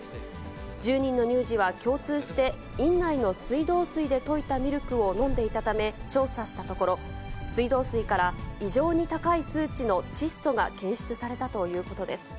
１０人の乳児は共通して院内の水道水で溶いたミルクを飲んでいたため調査したところ、水道水から異常に高い数値の窒素が検出されたということです。